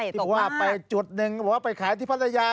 ที่บอกว่าไปจุดหนึ่งบอกว่าไปขายที่พัทยา